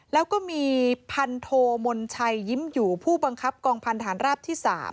แล้วก็มีพันโทมนชัยยิ้มอยู่ผู้บังคับกองพันธานราบที่๓